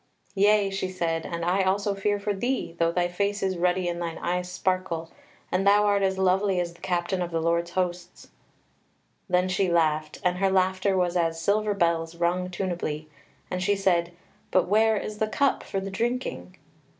"Yea," she said, "and I also fear for thee, though thy face is ruddy and thine eyes sparkle, and thou art as lovely as the Captain of the Lord's hosts." Then she laughed, and her laughter was as silver bells rung tunably, and she said: "But where is the cup for the drinking?"